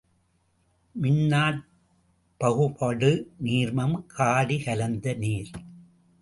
மின்னாற்பகுபடு நீர்மம் காடி கலந்த நீர்.